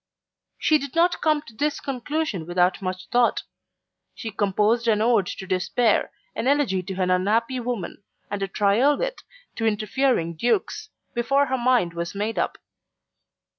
She did not come to this conclusion without much thought. She composed an Ode to Despair, an Elegy to an Unhappy Woman, and a Triolet to Interfering Dukes, before her mind was made up.